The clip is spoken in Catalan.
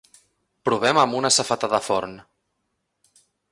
Provem amb una safata de forn.